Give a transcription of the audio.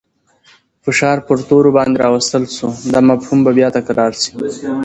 فشار پر تورو باندې راوستل سو. دا مفهوم به بیا تکرار سي.